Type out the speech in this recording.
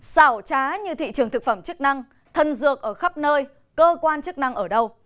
xảo trá như thị trường thực phẩm chức năng thân dược ở khắp nơi cơ quan chức năng ở đâu